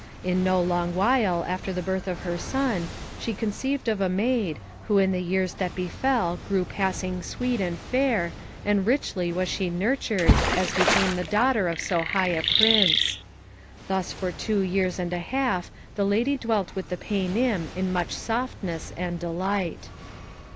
In no long while after the birth of her son she conceived of a maid, who in the years that befell grew passing sweet and fair, and richly was she nurtured as became the daughter of so high a prince. Thus for two years and a half the lady dwelt with the Paynim in much softness and delight.